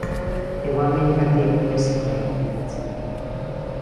Hego Amerikatik Mexikora hedatzen dira.